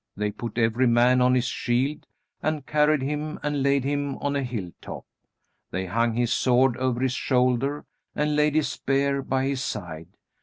They put every man on his shield and carried him and laid him on a hill top. They hung his sword over his shoulder and laid his spear by his side.